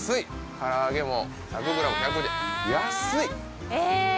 唐揚げも１００ｇ１５０円安いえっ